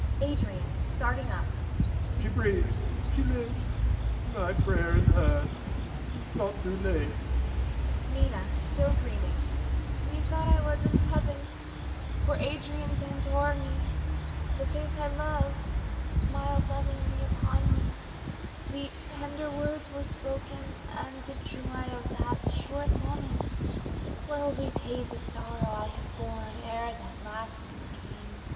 Adrian [starting up]. She breathes, she lives, my prayer is heard. 'Tis not too late. Nina [still dreaming]. Methought I was in heaven, for Adrian bent o'er me; the face I loved smiled lovingly upon me, sweet tender words were spoken, and the joy of that short moment well repaid the sorrow I had borne ere that last sleep came.